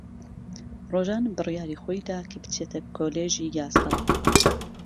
ڕۆژان بڕیاری خۆی دا کە بچێتە کۆلێژی یاسا.